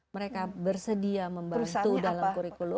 mereka bersedia membantu dalam kurikulum